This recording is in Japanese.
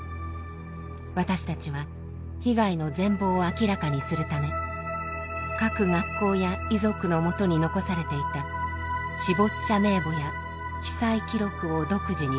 私たちは被害の全貌を明らかにするため各学校や遺族のもとに残されていた死没者名簿や被災記録を独自に収集。